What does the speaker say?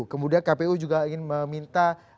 kemudian kpu juga ingin meminta